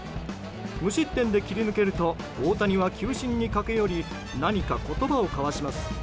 無失点で切り抜けると大谷は球審に駆け寄り何か言葉を交わします。